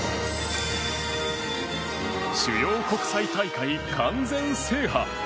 主要国際大会完全制覇。